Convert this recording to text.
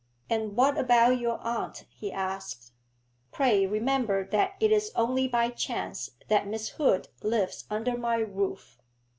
'And what about your aunt?' he asked. 'Pray remember that it is only by chance that Miss Hood lives under my roof.